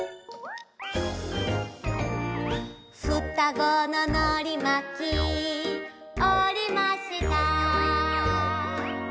「双子ののりまきおりました」